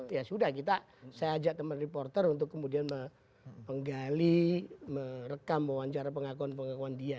ya sudah kita saya ajak teman reporter untuk kemudian menggali merekam wawancara pengakuan pengakuan dia